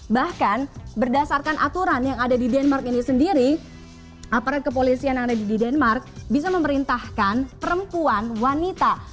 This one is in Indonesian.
bahkan berdasarkan aturan yang ada di denmark ini sendiri aparat kepolisian yang ada di denmark bisa memerintahkan perempuan wanita